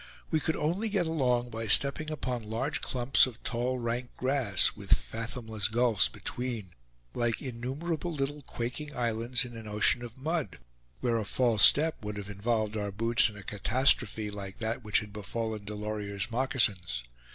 We could only get along by stepping upon large clumps of tall rank grass, with fathomless gulfs between, like innumerable little quaking islands in an ocean of mud, where a false step would have involved our boots in a catastrophe like that which had befallen Delorier's moccasins.